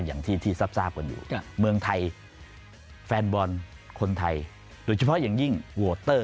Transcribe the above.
อย่างที่ที่ทราบกันอยู่เมืองไทยแฟนบอลคนไทยโดยเฉพาะอย่างยิ่งโวเตอร์